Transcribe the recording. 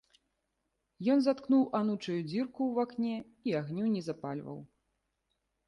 Ён заткнуў анучаю дзірку ў акне і агню не запальваў.